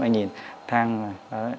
anh nhìn thang này